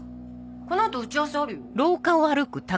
この後打ち合わせあるよ。